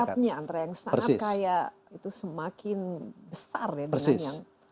gapnya antara yang sangat kaya itu semakin besar